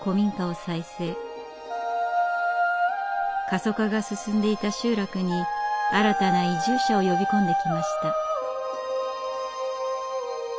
過疎化が進んでいた集落に新たな移住者を呼び込んできました。